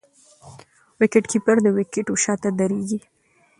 وکيټ کیپر د وکيټو شاته درېږي.